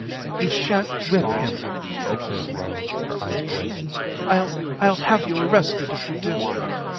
"You shan't whip him," declared Marian, her eyes blazing. "I'll I'll have you arrested if you do."